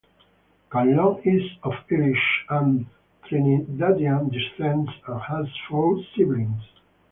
Conlon is of Irish and Trinidadian descent and has four siblings.